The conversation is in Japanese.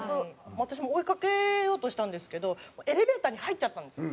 私も追いかけようとしたんですけどエレベーターに入っちゃったんですよ。